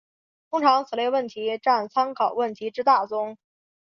通常此类问题占参考问题之大宗。